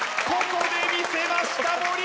ここでみせました森！